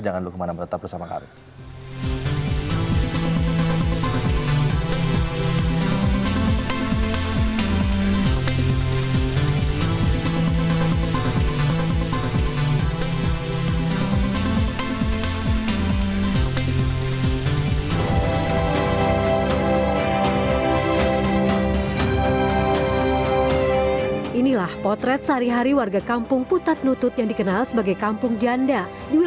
jangan lupa kemana mana tetap bersama kami